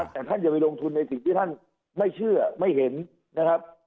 แต่ท่านอย่าไปลงทุนในสิ่งที่ท่านไม่เชื่อไม่เห็นนะครับ